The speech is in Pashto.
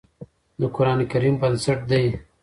د قرآن کريم بنسټ دی